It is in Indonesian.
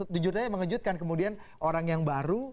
tujuannya mengejutkan kemudian orang yang baru